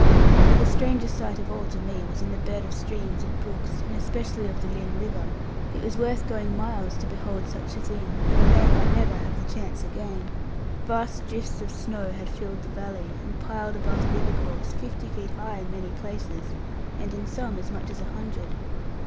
But the strangest sight of all to me was in the bed of streams, and brooks, and especially of the Lynn river. It was worth going miles to behold such a thing, for a man might never have the chance again. Vast drifts of snow had filled the valley, and piled above the river course, fifty feet high in many places, and in some as much as a hundred.